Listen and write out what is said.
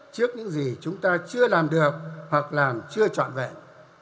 trước những gì chúng ta chưa làm được hoặc làm chưa trọn vẹn